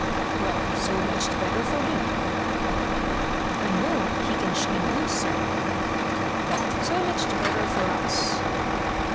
"Well, so much the better for him." "I know he can shine boots, sir." "So much the better for us."